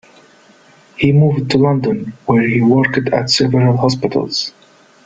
He moved to London, where he worked at several hospitals.